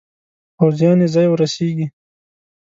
پوځیان یې ځای ورسیږي.